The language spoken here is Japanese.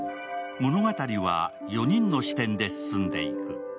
物語は４人の視点で進んでいく。